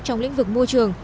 trong lĩnh vực môi trường